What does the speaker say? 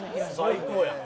最高やん。